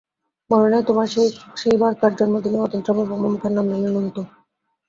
মনে নেই তোমার, সেইবারকার জন্মদিনেই অতীন্দ্রবাবু আমার মুখে নাম নিলেন অন্তু?